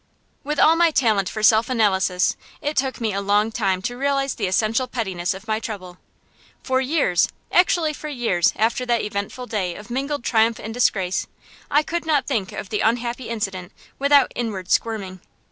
With all my talent for self analysis, it took me a long time to realize the essential pettiness of my trouble. For years actually for years after that eventful day of mingled triumph and disgrace, I could not think of the unhappy incident without inward squirming.